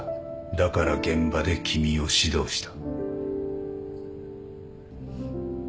だから現場で君を指導した。